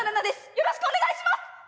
よろしくお願いします！